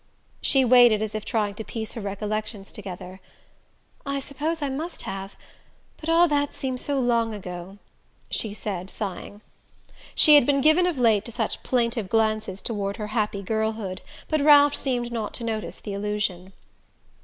She waited, as if trying to piece her recollections together. "I suppose I must have; but all that seems so long ago," she said sighing. She had been given, of late, to such plaintive glances toward her happy girlhood but Ralph seemed not to notice the allusion.